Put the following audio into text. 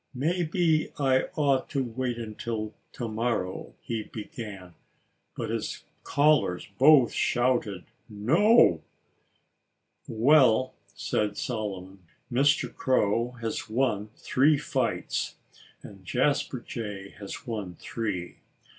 "Maybe I ought to wait until to morrow——" he began. But his callers both shouted "No!" "Well," said Solomon, "Mr. Crow has won three fights; and Jasper Jay has won three.